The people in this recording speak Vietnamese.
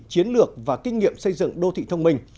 chiến lược và kinh nghiệm xây dựng đô thị thông minh